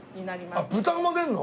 あっ豚も出るの？